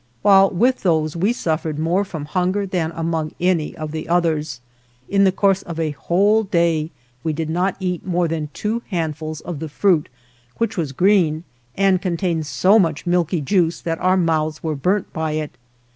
While with those we suffered more from hunger than among any of the others. In the course of a whole day we did not eat more than two handfuls of the fruit, which was green and contained so much milky juice that our mouths were burnt by it.